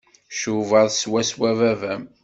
Tcubaḍ swaswa baba-m.